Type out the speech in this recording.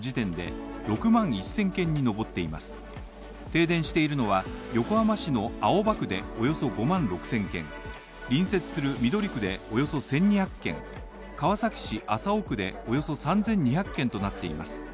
停電しているのは、横浜市の青葉区でおよそ５万６０００軒、隣接する緑区でおよそ１２００軒、川崎市麻生区でおよそ３２００軒となっています。